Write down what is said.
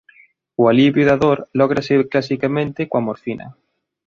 O alivio da dor lógrase clasicamente coa morfina.